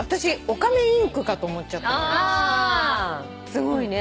すごいね。